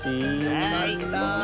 よかった。